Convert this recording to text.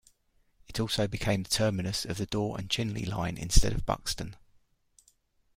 It also became the terminus of the Dore and Chinley line instead of Buxton.